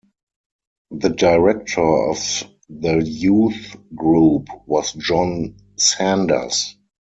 The Director of the Youth Group was John Sanders.